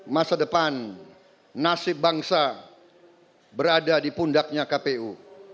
masa depan nasib bangsa berada di pundaknya kpu